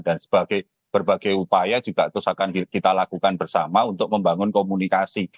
dan sebagai berbagai upaya juga terus akan kita lakukan bersama untuk membangun komunikasi